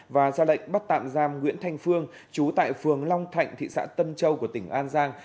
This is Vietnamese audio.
và ra lệnh bắt tạm giam nguyễn thanh phương chú tại phường long thạnh thị xã tân châu của tỉnh an giang